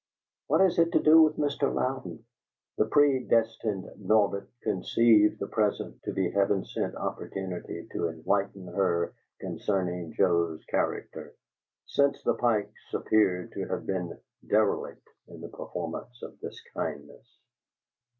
"What has it to do with Mr. Louden?" The predestined Norbert conceived the present to be a heaven sent opportunity to enlighten her concerning Joe's character, since the Pikes appeared to have been derelict in the performance of this kindness.